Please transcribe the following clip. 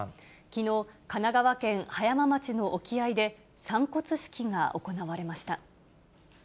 きのう、神奈川県葉山町の沖合で、散骨式が行われました。